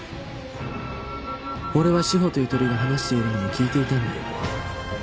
俺は志法とゆとりが話しているのも聞いていたんだよ